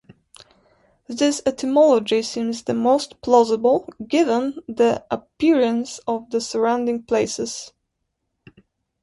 This etymology seems the most plausible given the appearance of the surrounding places.